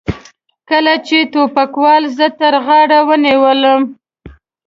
کله چې ټوپکوال زه تر غاړې ونیولم.